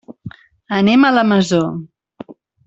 Anem a la Masó.